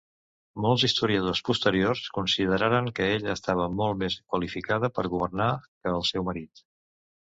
Molts historiadors posteriors consideraren que ella estava molt més qualificada per governar que el seu marit.